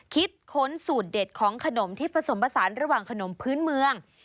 ค้นสูตรเด็ดของขนมที่ผสมผสานระหว่างขนมพื้นเมือง